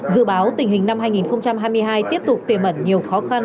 dự báo tình hình năm hai nghìn hai mươi hai tiếp tục tiềm ẩn nhiều khó khăn